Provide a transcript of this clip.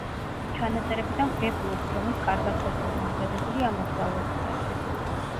ჩანაწერებიდან ვგებულობთ, რომ ის კარგად ყოფილა მომზადებული ამ მოგზაურობისათვის.